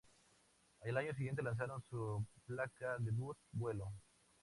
Al año siguiente lanzaron su placa debut ""Vuelo"".